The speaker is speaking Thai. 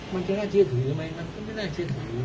มันจะน่าเชื่อถือไหมมันก็ไม่น่าเชื่อถือ